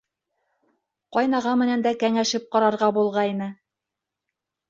Ҡайнаға менән дә кәңәшеп ҡарарға булғайны.